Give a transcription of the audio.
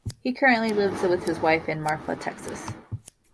He currently lives with his wife in Marfa, Texas.